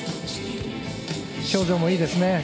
表情もいいですね。